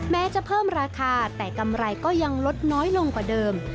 แม้จะเพิ่มราคาแต่กำไรก็ยังลดน้อยลงกว่าเดิม